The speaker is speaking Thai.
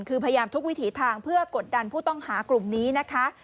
คือพยายามทุกวิถีทางเพื่อกดดันผู้ต้องหากลุ่มนี้นะคะ